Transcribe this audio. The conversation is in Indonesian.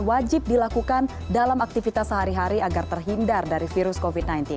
wajib dilakukan dalam aktivitas sehari hari agar terhindar dari virus covid sembilan belas